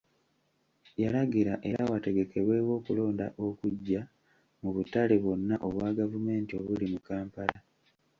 Yalagira era wategekebwewo okulonda okuggya mu butale bwonna obwa gavumenti obuli mu Kampala.